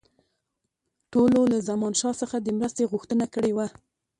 ټولو له زمانشاه څخه د مرستې غوښتنه کړې وه.